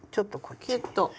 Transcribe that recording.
キュッと。